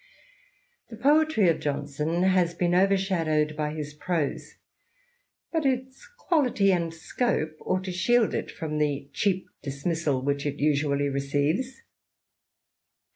The poetry of Johnson has been overshadowed by his prose, but its quality and scope ought to shield it from the cheap dismissal which it usually receives.